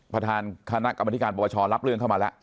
ประธานคณะกรรมนาฬิการประประชอร์รับเรื่องเข้ามาแล้ว